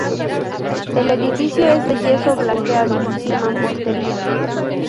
El edificio es de yeso blanqueado y mampostería.